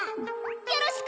よろしく！